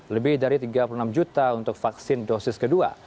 lebih dari tiga puluh enam juta untuk vaksin dosis kedua